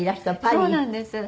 そうなんです。